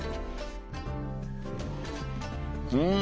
うん！